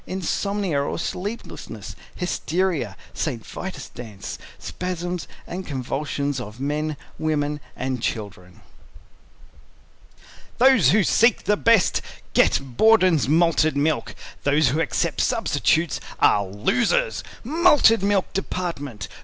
Insomnia or Sleeplessness. Hysteria. St. Vitus Dance. Spasms and Convulsions of Men, Women and Children. [Illustration: Image of package.] Those Who Seek the Best Get Borden's Malted Milk Those Who Accept Substitutes are Losers Malted Milk Dept.